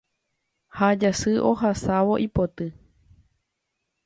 Ha jasy ohasávo ipoty